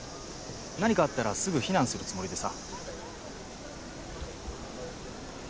何かあったらすぐ避難するつもりでさ。